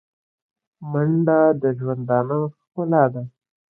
منډه د ژوندانه ښکلا ده